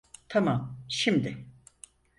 Tamam, şimdi!